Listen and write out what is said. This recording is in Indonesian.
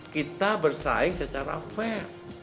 kita bersaing secara fair